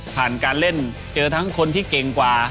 การเล่นเจอทั้งคนที่เก่งกว่า